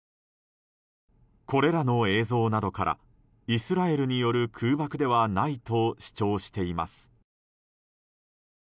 これらの映像などからイスラエルによる空爆ではないと主張しています。